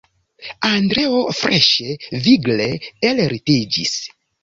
Andreo freŝe, vigle ellitiĝis.